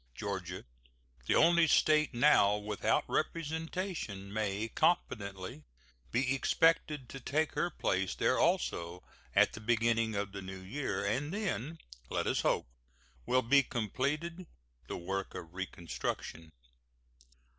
Georgia, the only State now without representation, may confidently be expected to take her place there also at the beginning of the new year, and then, let us hope, will be completed the work of reconstruction.